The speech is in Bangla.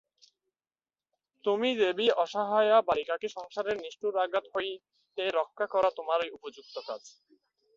তুমি দেবী–অসহায়া বালিকাকে সংসারের নিষ্ঠুর আঘাত হইতে রক্ষা করা তোমারই উপযুক্ত কাজ।